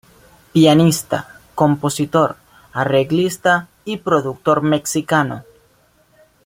Pianista, compositor, arreglista y productor mexicano.